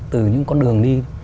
từ những con đường đi